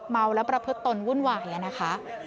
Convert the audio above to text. เมาและประพฤติตนวุ่นวายนะคะ